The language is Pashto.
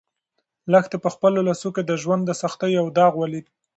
لښتې په خپلو لاسو کې د ژوند د سختیو یو داغ ولید.